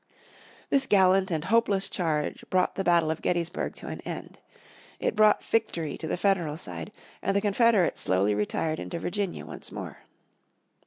This gallant and hopeless charge brought the battle of Gettysburg to an end. It brought victory to the Federal side, and the Confederates slowly retired into Virginia once more.